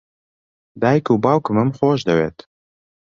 دایک و باوکمم خۆش دەوێن.